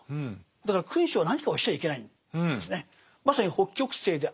だから君主は何かをしちゃいけないんですね。